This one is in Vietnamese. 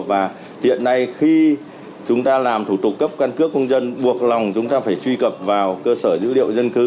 và hiện nay khi chúng ta làm thủ tục cấp căn cước công dân buộc lòng chúng ta phải truy cập vào cơ sở dữ liệu dân cư